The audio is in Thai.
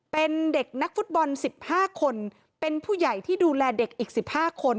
เป็นเด็กนักฟุตบอล๑๕คนเป็นผู้ใหญ่ที่ดูแลเด็กอีก๑๕คน